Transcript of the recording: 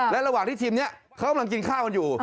และระหว่างที่ทีมนี้เขากำลังกินข้าวกันอยู่